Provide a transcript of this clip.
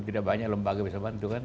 tidak banyak lembaga yang bisa bantu